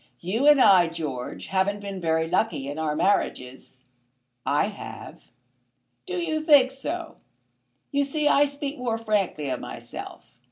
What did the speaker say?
You and I, George, haven't been very lucky in our marriages." "I have." "Do you think so? You see I speak more frankly of myself.